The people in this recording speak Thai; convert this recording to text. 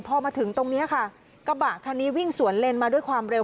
พอมาถึงตรงนี้ค่ะกระบะคันนี้วิ่งสวนเลนมาด้วยความเร็ว